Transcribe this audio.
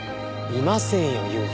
いませんよ